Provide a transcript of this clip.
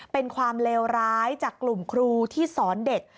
เป็นความเลวร้ายจากกลุ่มครูที่สอนเด็ก